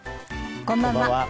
こんばんは。